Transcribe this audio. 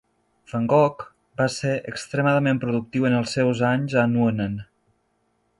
Van Gogh va ser extremadament productiu en els seus anys a Nuenen.